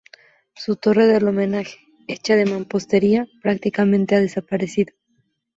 Su torre del homenaje, hecha de mampostería, prácticamente ha desaparecido.